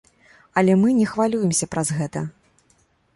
Але мы не хвалюемся праз гэта.